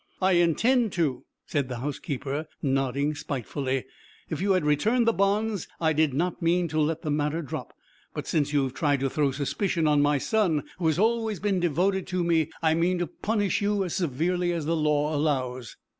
"I intend to," said the housekeeper, nodding spitefully. "If you had returned the bonds, I did not mean to let the matter drop, but since you have tried to throw suspicion on my son, who has always been devoted to me, I mean to punish you as severely as the law allows."